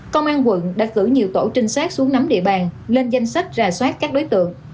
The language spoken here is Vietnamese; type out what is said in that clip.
công an quận đã cử nhiều tổ trinh sát xuống nắm địa bàn lên danh sách rà soát các đối tượng